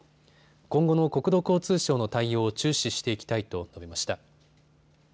今後の国土交通省の対応を注視していきたいと述べました。